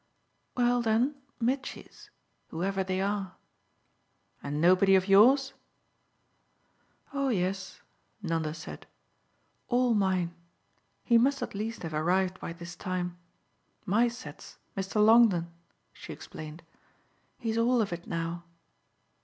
"Well then Mitchy's whoever they are." "And nobody of yours?" "Oh yes," Nanda said, "all mine. He must at least have arrived by this time. My set's Mr. Longdon," she explained. "He's all of it now."